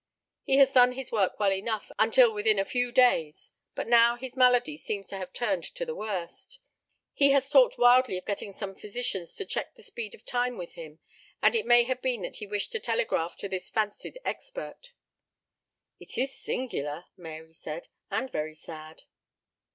He has done his work well enough until within a few days, but now his malady seems to have turned to the worst. He has talked wildly of getting some physicians to check the speed of time with him, and it may have been that he wished to telegraph to this fancied expert." "It is singular," Mary said, "and very sad."